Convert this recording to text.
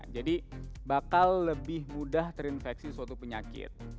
jadi bakal lebih mudah terinfeksi suatu penyakit